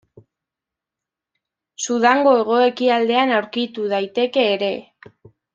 Sudango hego-ekialdean aurkitu daiteke ere.